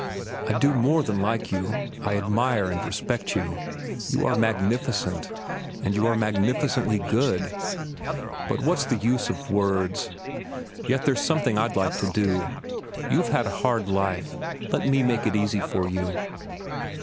I do more than like you. I admire and respect you. You are magnificent, and you are magnificently good. But what's the use of words? Yet there's something I'd like to do. You've had a hard life; let me make it easy for you."